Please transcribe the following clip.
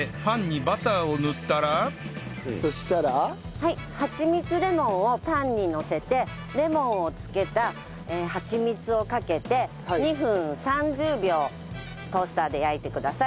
はちみつレモンをパンにのせてレモンを漬けたはちみつをかけて２分３０秒トースターで焼いてください。